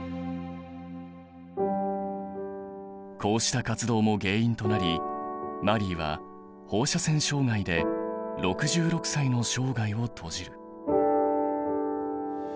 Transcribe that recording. こうした活動も原因となりマリーは放射線障害で６６歳の生涯を閉じる。